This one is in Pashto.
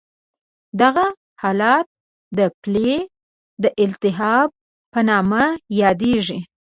دغه حالت د پلې د التهاب په نامه یادېږي.